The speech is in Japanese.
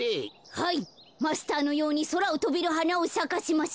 はいマスターのようにそらをとべるはなをさかせます。